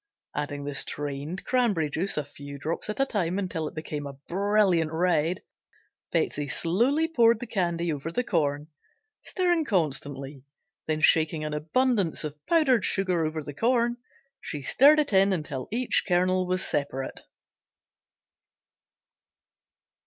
Adding the strained cranberry juice a few drops at a time until it became a brilliant red, Betsey slowly poured the candy over the corn, stirring constantly, then shaking an abundance of powdered sugar over the corn, she stirred it in until each kernel was separate.